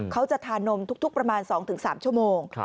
เขาจะทานนมทุกประมาณ๒๓ชั่วโมง